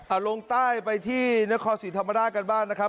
เอาลงใต้ไปที่นครศรีธรรมราชกันบ้างนะครับ